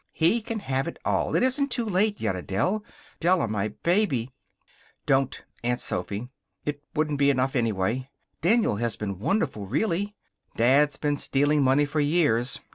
He can have it all. It isn't too late yet. Adele! Della, my baby." "Don't, Aunt Sophy. It wouldn't be enough, anyway. Daniel has been wonderful, really. Dad's been stealing money for years.